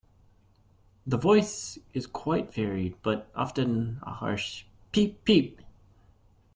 The voice is quite varied but often a harsh "peep-peep".